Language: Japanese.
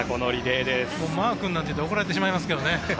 マー君なんて言うと怒られてしまいますけどね。